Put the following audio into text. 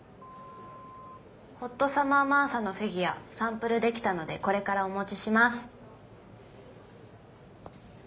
ホットサマー・マーサのフィギュアサンプル出来たのでこれからお持ちします。